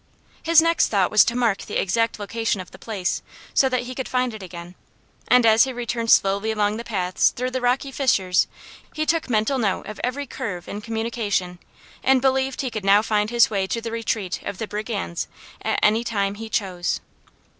His next thought was to mark the exact location of the place, so that he could find it again; and as he returned slowly along the paths through the rocky fissures he took mental note of every curve and communication, and believed he could now find his way to the retreat of the brigands at any time he chose.